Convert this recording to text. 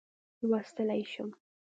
لوستلای شم.